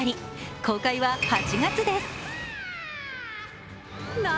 公開は８月です。